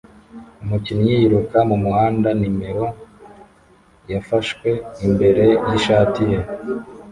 Umukinnyi yiruka mumuhanda numero "" yafashwe imbere yishati ye